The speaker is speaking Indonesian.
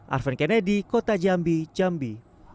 arven kennedy kota jambi jambi